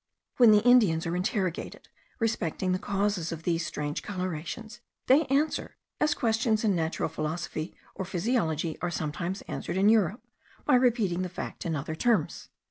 When the Indians are interrogated respecting the causes of these strange colorations, they answer, as questions in natural philosophy or physiology are sometimes answered in Europe, by repeating the fact in other terms.